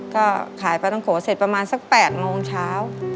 ก็ขายปลาต้องโกเสร็จประมาณสัก๘โมงเช้า